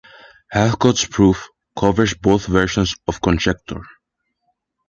Helfgott's proof covers both versions of the conjecture.